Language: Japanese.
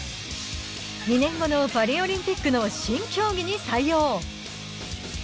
２年後のパリオリンピックの新競技に採用。